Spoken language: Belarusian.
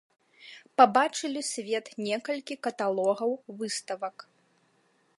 Пабачылі свет некалькі каталогаў выставак.